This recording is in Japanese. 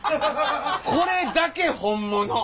これだけ本物。